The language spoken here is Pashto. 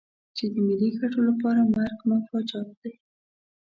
چې د ملي ګټو لپاره مرګ مفاجات دی.